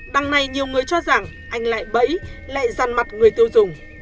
đằng này nhiều người cho rằng anh lại bẫy lại ràn mặt người tiêu dùng